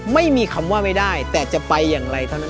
ไม่มีคำว่าไม่ได้แต่จะไปอย่างไรเท่านั้น